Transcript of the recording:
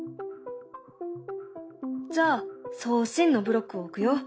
じゃあ「送信」のブロックを置くよ。